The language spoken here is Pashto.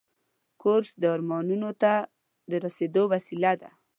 کورس د ارمانونو ته رسیدو وسیله ده.